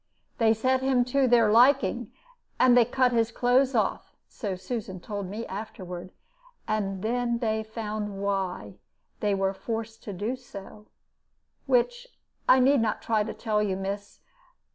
They set him to their liking, and they cut his clothes off so Susan told me afterward and then they found why they were forced to do so, which I need not try to tell you, miss.